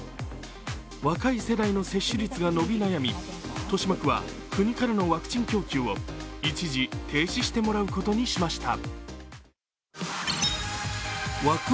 若い世代の接種率が伸び悩み、豊島区は国からのワクチン供給を一時停止してもらうことにしました。